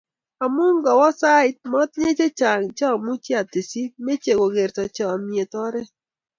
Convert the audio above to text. amu kagowo sait, matinye chechang Cha much atestyi ,meche kegertoo komnyei oret